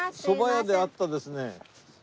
そば屋で会ったですね